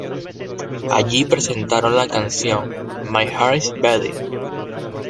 Allí presentaron la canción "My Heart is Beating".